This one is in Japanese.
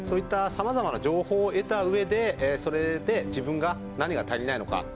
さまざまな情報を得たうえでそれで自分に何が足りないのか。